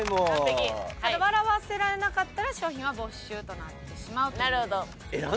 ただ笑わせられなかったら商品は没収となってしまうという。